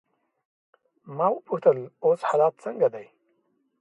ما وپوښتل: اوس حالات څنګه دي؟